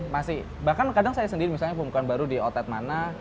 bahkan kadang saya sendiri misalnya pembukaan baru di otet mana